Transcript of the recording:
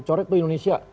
coret tuh indonesia